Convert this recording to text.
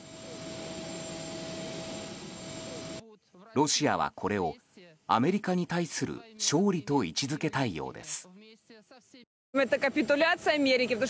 ロシアは、これをアメリカに対する勝利と位置づけたいようです。